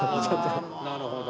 なるほど。